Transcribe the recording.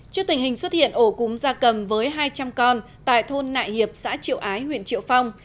trước tình hình xuất hiện ổ cúm da cầm với hai trăm linh con tại thôn nại hiệp xã triệu ái huyện triệu phong